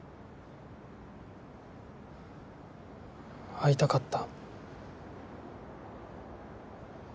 会いたかった。